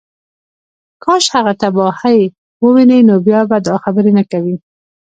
کاش هغه تباهۍ ووینې نو بیا به دا خبرې نه کوې